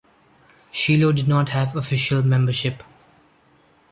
Shiloh did not have official membership.